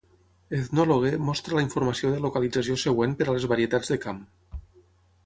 "Ethnologue" mostra la informació de localització següent per a les varietats de Kham.